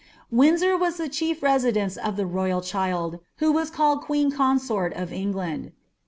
Wtddsor was the chief residence of itie royal child, who waa railed queeu conson of England.